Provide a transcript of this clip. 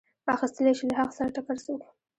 اخیستلی شي له حق سره ټکر څوک.